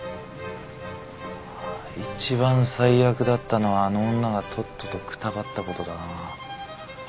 一番最悪だったのはあの女がとっととくたばったことだな。